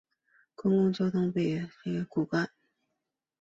公共交通是北韩交通的骨干。